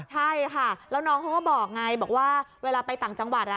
ใช่ค่ะแล้วน้องเขาก็บอกไงบอกว่าเวลาไปต่างจังหวัด